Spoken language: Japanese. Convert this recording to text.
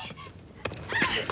あっ！